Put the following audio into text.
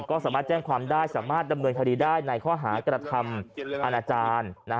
ก็สามารถแจ้งความได้สามารถดำเนินคดีได้ในข้อหากระทำอาณาจารย์